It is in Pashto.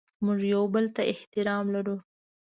موږ یو بل ته احترام لرو.